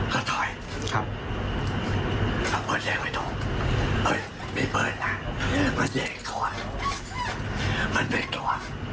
ก็ถอยครับเอาเปิดแรงไว้ดูเอ้ยมีเปิดน่ะมันเย็นกลัวมันไม่กลัว